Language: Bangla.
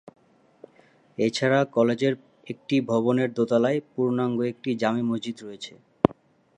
এছাড়া কলেজের একটি ভবনের দোতলায় পূর্ণাঙ্গ একটি জামে মসজিদ রয়েছে।